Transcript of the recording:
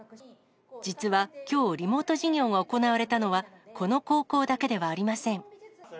実はきょう、リモート授業が行われたのは、この高校だけではありません。